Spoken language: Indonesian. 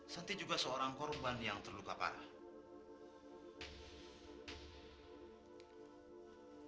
santi juga seorang korban yang terluka parah